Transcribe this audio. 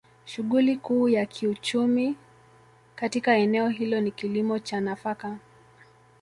Shughuli Kuu ya kiuchumi katika eneo hilo ni kilimo cha nafaka